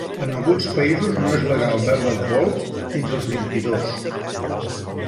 En alguns països no és legal beure alcohol fins als vint-i-dos.